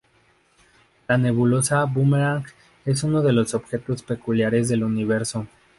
La nebulosa Boomerang es uno de los objetos peculiares del universo.